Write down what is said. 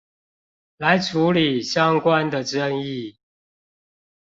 來處理相關的爭議